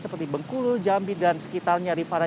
seperti bengkulu jambi dan sekitarnya rifana